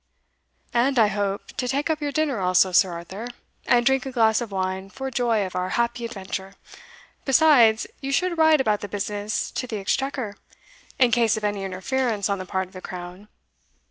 "And, I hope, to take up your dinner also, Sir Arthur, and drink a glass of wine for joy of our happy adventure. Besides, you should write about the business to the Exchequer, in case of any interference on the part of the Crown.